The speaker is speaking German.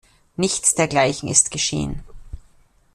Nichts dergleichen ist geschehen.